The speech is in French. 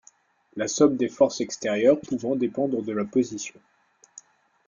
la somme des forces extérieures pouvant dépendre de la position